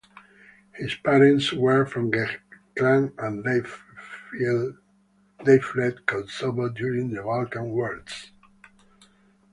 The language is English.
His parents were from Gheg clan and they fled Kosovo during the Balkan Wars.